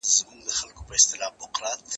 ورته هېښ به هر کوچني و